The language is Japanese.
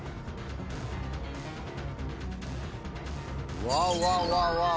うわうわうわうわうわ！